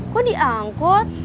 kok di angkot